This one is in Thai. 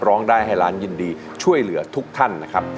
ร้องได้ให้ล้านยินดีช่วยเหลือทุกท่านนะครับ